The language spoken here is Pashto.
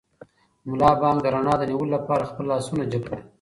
ملا بانګ د رڼا د نیولو لپاره خپل لاسونه جګ کړل.